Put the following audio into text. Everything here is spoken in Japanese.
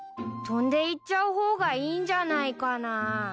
飛んでいっちゃう方がいいんじゃないかな？